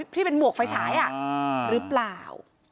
ที่เป็นหมวกไฟฉายหรือเปล่า